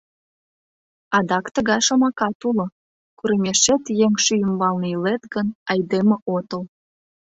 Адак тыгай шомакат уло: курымешет еҥ шӱй ӱмбалне илет гын, айдеме отыл.